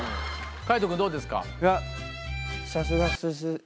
海人君どうですか？